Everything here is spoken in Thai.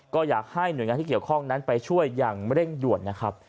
ก็อยากให้หน่วยงานที่เกี่ยวข้องนั้นไปช่วยอย่างเร่งด่วนนะครับ